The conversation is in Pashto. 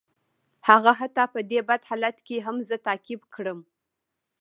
هغه حتی په دې بد حالت کې هم زه تعقیب کړم